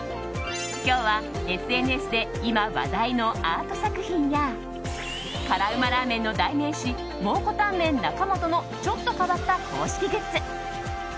今日はＳＮＳで今、話題のアート作品や辛うまラーメンの代名詞蒙古タンメン中本のちょっと変わった公式グッズ